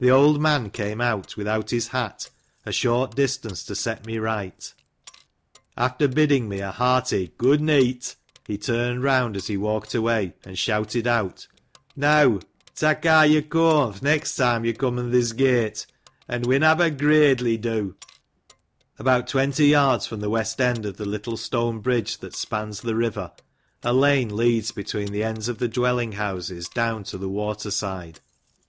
The old man came out without his hat, a short distance, to set me right. After bid ding me a hearty "good neet," he turned round as he walked away, and shouted out, " Neaw ta care yo coau th' next time yo coni'n thiz gate, an win have a gradely do." About twenty yards from the west end of the little stone bridge that spans the river, a lane leads between the ends of the dwelling houses down to the water side.